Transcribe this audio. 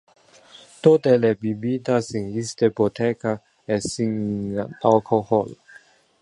Tote le bibitas in iste boteca es sin alcohol.